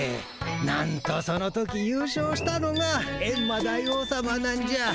なんとその時優勝したのがエンマ大王さまなんじゃ。